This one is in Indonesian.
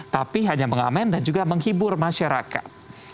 tapi hanya mengamen dan juga menghibur masyarakat